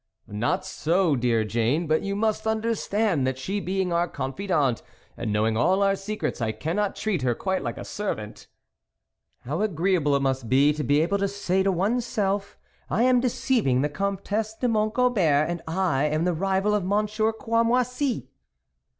" Not so, dear Jane, but you must understand that she being our confidante, and knowing all our secrets, I cannot treat her quite like a servant." 86 THE WOLF LEADER " How agreeable it must be to be able to say to one's self ' I am deceiving the Comtesse de Mont Gobert and I am the rival of Monsieur Cramoisi